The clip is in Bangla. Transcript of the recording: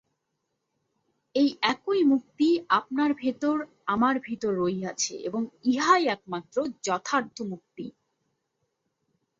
এই একই মুক্তি আপনার ভিতর, আমার ভিতর রহিয়াছে এবং ইহাই একমাত্র যথার্থ মুক্তি।